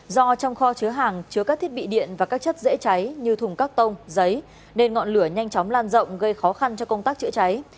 do trong kho chứa hàng chứa các thiết bị điện và các chất dễ cháy như thùng các tông giấy nên ngọn lửa nhanh chóng lan rộng gây khó khăn cho công tác chữa cháy